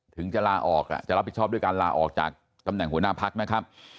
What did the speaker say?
ถึงจะลาออกจะรับผิดชอบด้วยการลาออกจากตำแหน่งหัวหน้าพักนะครับ